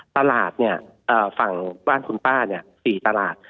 ตลาดเนี่ยฝั่งบ้านคุณป้าเนี่ย๔ตลาด